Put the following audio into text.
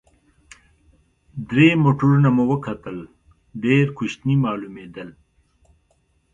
درې موټرونه مو وکتل، ډېر کوچني معلومېدل.